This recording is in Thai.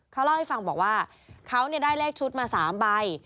เขาเล่าให้ฟังบอกว่าเขาได้เลขชุดมา๓ใบ